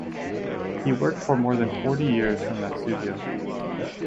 He worked for more than forty years from that studio.